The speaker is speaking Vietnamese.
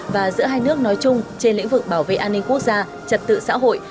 và giữa hai nước nói chung trên lĩnh vực bảo vệ an ninh quốc gia trật tự xã hội